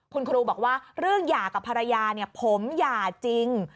คุณครูบอกว่าเรื่องหย่ากับภรรยาผมหย่าจริง